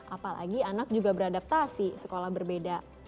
apalagi anak juga beradaptasi sekolah berbeda